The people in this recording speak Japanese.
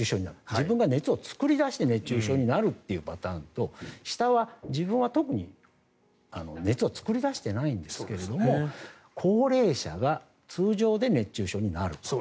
自分が熱を作り出して熱中症になるというパターンと下は自分は、特に熱を作り出していないんですが高齢者が通常で熱中症になるという。